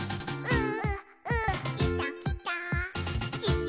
うん？